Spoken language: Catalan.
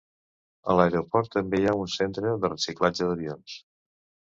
A l"aeroport també hi ha un centre de reciclatge d"avions.